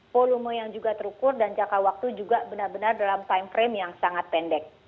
volume yang juga terukur dan jangka waktu juga benar benar dalam time frame yang sangat pendek